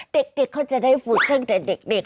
เด็กเขาจะได้ฝึกตั้งแต่เด็ก